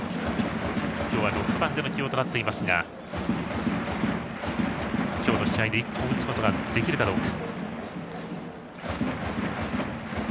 今日は６番での起用となっていますが今日の試合で１本打つことができるのでしょうか。